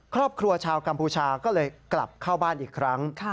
ครอบครัวชาวกัมพูชาก็เลยกลับเข้าบ้านอีกครั้ง